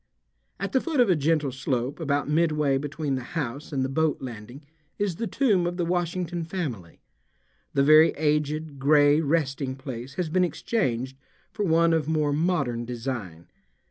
At the foot of a gentle slope about midway between the house and the boat landing is the tomb of the Washington family. The very aged, gray resting place has been exchanged for one of more modern design.